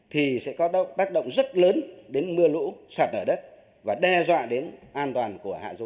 thì sẽ có tác động rất lớn đến mưa lũ sạt lở đất và đe dọa đến an toàn của hạ du